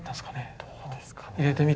どうですかね？